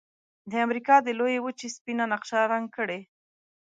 د امریکا د لویې وچې سپینه نقشه رنګ کړئ.